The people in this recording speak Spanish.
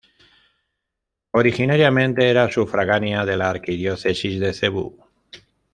Originariamente era sufragánea de la Arquidiócesis de Cebú.